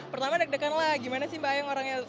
pertama deg degan lah gimana sih mbak ayang orangnya